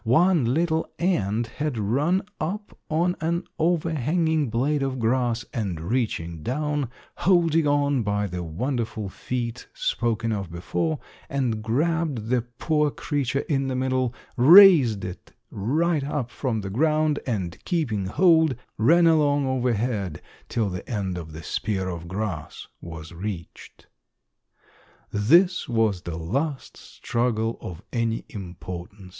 One little ant had run up on an overhanging blade of grass, and, reaching down, holding on by the wonderful feet spoken of before, and grabbed the poor creature in the middle, raised it right up from the ground, and keeping hold, ran along overhead till the end of the spear of grass was reached. This was the last struggle of any importance.